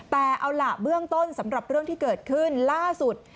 แต่เอาล่ะเบื้องต้นสำหรับเรื่องที่เกิดขึ้นล่าสุด